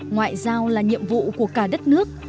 ngoại giao là nhiệm vụ của cả đất nước